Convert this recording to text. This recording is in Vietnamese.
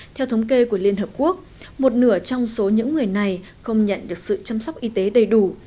theo thống kê của liên hợp quốc một nửa trong số những người này không nhận được sự chăm sóc y tế đầy đủ